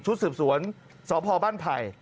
ชุดสืบสวนสภบ้านไผ่